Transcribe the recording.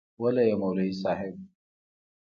وله یی مولوی صیب.